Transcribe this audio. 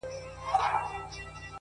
صادق زړه اوږده آرامي مومي.!